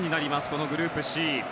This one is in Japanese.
このグループＣ。